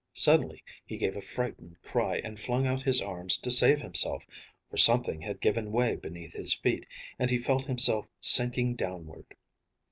Suddenly he gave a frightened cry, and flung out his arms to save himself, for something had given way beneath his feet, and he felt himself sinking downward.